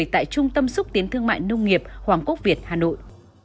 tại trung tâm xúc tiến thương mại nông nghiệp hoàng quốc việt hà nội